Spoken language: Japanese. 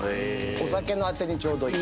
お酒のアテにちょうどいい。